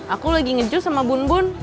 aku lagi nge juke sama bun bun